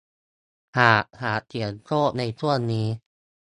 หากอยากเสี่ยงโชคในช่วงนี้